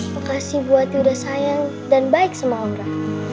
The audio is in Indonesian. makasih buati udah sayang dan baik sama aura